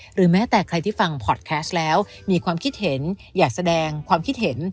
หรือแม้แต่ใครที่ฟังพอดแคสต์แล้วมีความคิดเห็นอยากแสดงความคิดเห็น